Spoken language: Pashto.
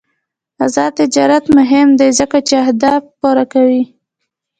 آزاد تجارت مهم دی ځکه چې اهداف پوره کوي.